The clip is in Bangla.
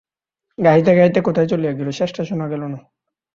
গাহিতে গাহিতে কোথায় চলিয়া গেল, শেষটা শোনা গেল না।